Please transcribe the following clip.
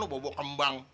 lo bobo kembang